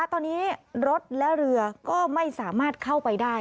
ตอนนี้รถและเรือก็ไม่สามารถเข้าไปได้